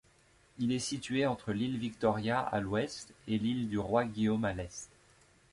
Il est situé entre l'île Victoria à l'ouest et l'île du Roi-Guillaume à l'est.